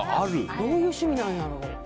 どういう趣味なんやろう。